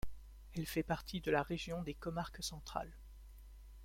Elle fait partie de la région des Comarques centrales.